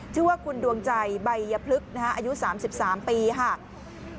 ชื่อว่าคุณดวงใจใบยพลึกอายุ๓๓ปีค่ะ